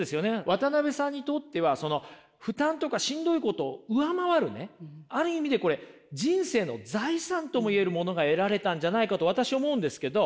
渡辺さんにとってはその負担とかしんどいことを上回るねある意味でこれ人生の財産とも言えるものが得られたんじゃないかと私思うんですけど。